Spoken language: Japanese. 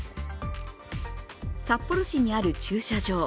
札幌市にある駐車場。